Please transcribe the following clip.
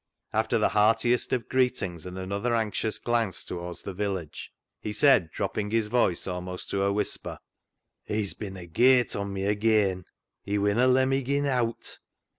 After the heartiest of greetings, and another anxious glance towards the village, he said, dropping his voice almost to a whisper —" He's bin agate on me ageean ; he winna le' me gie nowt."